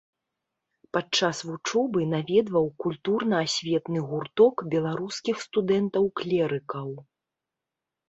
Падчас вучобы наведваў культурна-асветны гурток беларускіх студэнтаў-клерыкаў.